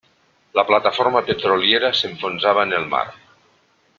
La plataforma petroliera s'enfonsava en el mar.